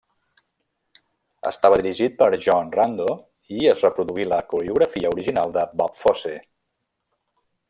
Estava dirigit per John Rando, i es reproduí la coreografia original de Bob Fosse.